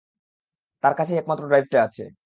তার কাছেই একমাত্র ড্রাইভটা আছে।